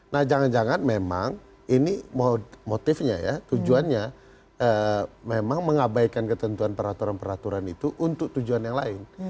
nah jangan jangan memang ini motifnya ya tujuannya memang mengabaikan ketentuan peraturan peraturan itu untuk tujuan yang lain